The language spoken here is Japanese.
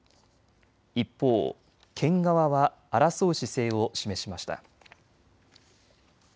一方、県側は争う姿勢を示しました。